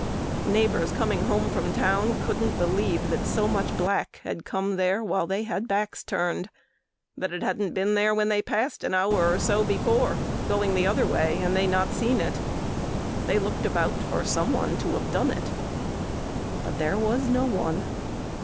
Neighbors coming home from town Couldn't believe that so much black had come there While they had backs turned, that it hadn't been there When they had passed an hour or so before Going the other way and they not seen it. They looked about for someone to have done it. But there was no one.